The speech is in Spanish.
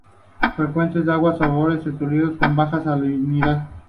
Frecuentan aguas salobres y estuarios, con baja salinidad.